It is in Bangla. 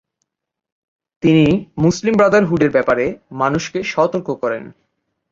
তিনি মুসলিম ব্রাদারহুডের ব্যাপারে মানুষকে সতর্ক করেন।